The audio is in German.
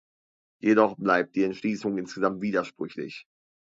Jedoch bleibt die Entschließung insgesamt widersprüchlich.